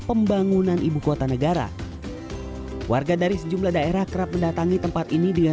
pembangunan ibu kota negara warga dari sejumlah daerah kerap mendatangi tempat ini dengan